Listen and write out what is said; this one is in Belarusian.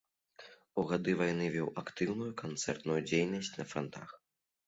У гады вайны вёў актыўную канцэртную дзейнасць на франтах.